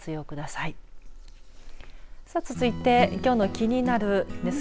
さあ、続いてきょうのキニナル！です